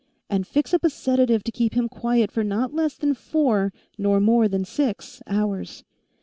"And fix up a sedative to keep him quiet for not less than four nor more than six hours.